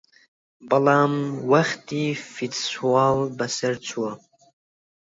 بەڵام وەختی فستیواڵ بەسەر چووە